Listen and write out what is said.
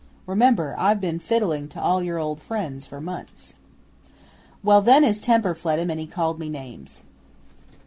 Remember, I've been fiddling to all your old friends for months." 'Well, then his temper fled him and he called me names.